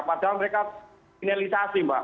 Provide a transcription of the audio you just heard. padahal mereka finalisasi mbak